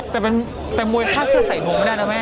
แต่มวยคาบเสื้อใส่หนูไม่ได้นะแม่